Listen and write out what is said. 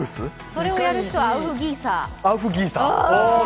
それをやる人はアウフギーサー。